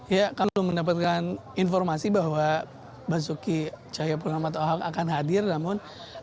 ya kami belum mendapatkan informasi bahwa basuki cahayapurnama akan hadir namun